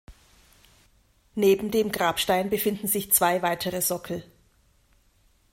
Neben dem Grabstein befinden sich zwei weitere Sockel.